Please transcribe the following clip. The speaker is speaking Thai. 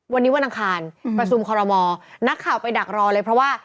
วันนี้วันอังคารประชุมคอรมอนักข่าวไปดักรอเลยเพราะว่า